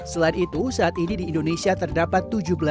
selain itu saat ini di indonesia terdapat tujuh belas lima ratus empat puluh